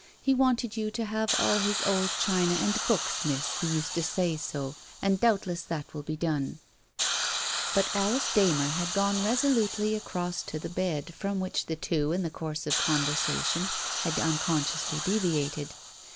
He wanted you to have all his old china and books, Miss, he used to say so, and doubtless that will be done. ..." But Alice Darner had gone resolutely across to the bed from which the two, in the course of conversation, had unconsciously deviated.